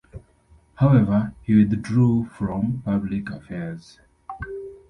However, he withdrew from public affairs.